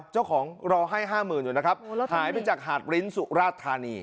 เจ้าของรอให้ห้าหมื่นอยู่นะครับหายไปจากหาดลิ้นสุราชธานี